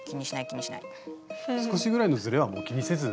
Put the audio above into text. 少しぐらいのずれはもう気にせず。